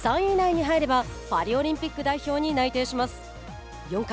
３位以内に入ればパリオリンピック代表に内定します。